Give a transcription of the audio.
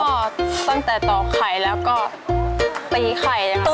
ก็ตั้งแต่ตอกไข่แล้วก็ตีไข่อย่างนั้น